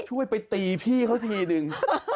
ช่วยไปตีพี่เขาทีนึง